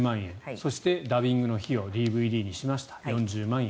そして、ダビングの費用ＤＶＤにしました、４０万円。